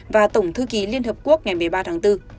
và tổng thư ký liên hợp quốc ngày một mươi ba tháng bốn